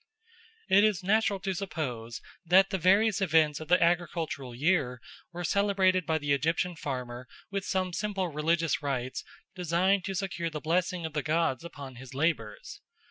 It is natural to suppose that the various events of the agricultural year were celebrated by the Egyptian farmer with some simple religious rites designed to secure the blessing of the gods upon his labours.